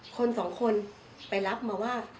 คนสองคนไปรับมาว่า